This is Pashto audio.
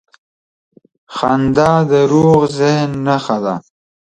• خندا د روغ ذهن نښه ده.